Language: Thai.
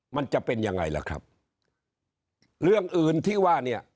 มันจะเป็นยังไงล่ะครับเรื่องอื่นที่ว่าเนี่ย